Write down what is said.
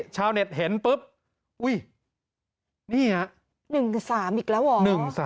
ขะแนนเห็นปุ๊บอุ๊ยนี่เหรอ๑๓อันอีกแล้วไหม